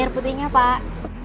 air putihnya pak